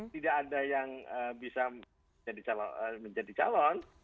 tidak ada yang bisa menjadi calon